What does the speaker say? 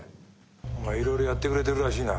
お前いろいろやってくれてるらしいな。